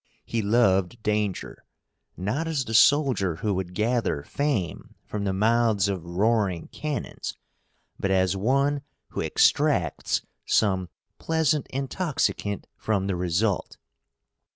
He loved danger, not as the soldier who would gather fame from the mouths of roaring cannons, but as one who extracts some pleasant intoxicant from the result.